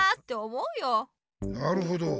なるほど。